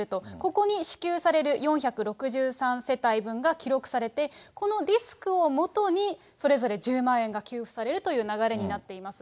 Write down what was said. ここに支給される４６３世帯分が記録されて、このディスクをもとに、それぞれ１０万円が給付されるという流れになっています。